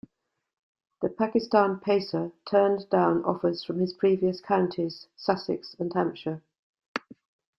The Pakistan pacer turned down offers from his previous counties, Sussex and Hampshire.